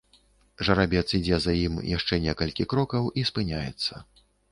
Жарабец ідзе за ім яшчэ некалькі крокаў і спыняецца.